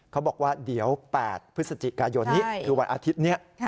เขาบอกว่าเดี๋ยว๘พฤศจิกายนนี้คือวันอาทิตย์นี้